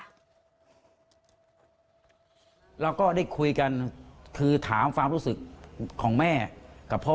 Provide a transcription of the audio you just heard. เราก็ได้คุยกันคือถามความรู้สึกของแม่กับพ่อ